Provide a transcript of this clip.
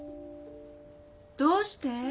どうして？